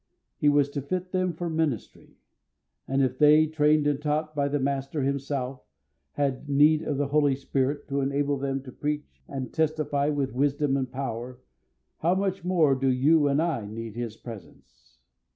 He was to fit them for their ministry. And if they, trained and taught by the Master Himself, had need of the Holy Spirit to enable them to preach and testify with wisdom and power, how much more do you and I need His presence!